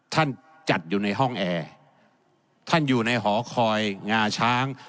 ท่านจัดอยู่ในห้องแอร์ท่านอยู่ในหอคอยงาช้าง